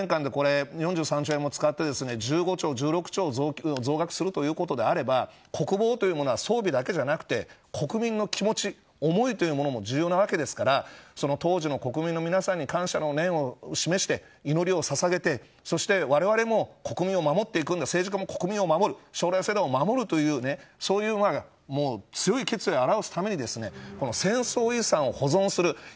５年間も４３兆円使って１６兆増額するということであれば国防というのは装備だけじゃなくて国民の気持ち思いも重要なわけですから当時の国民の皆さんに感謝の念を示して祈りをささげてそして、われわれも国民を守っていく政治家も国民を守る将来を守るという強い決意を表すために戦争遺産を保存する。